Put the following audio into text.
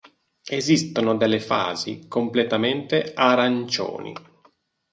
Esistono delle fasi completamente arancioni.